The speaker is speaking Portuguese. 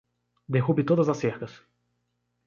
Derrube todas as cercas.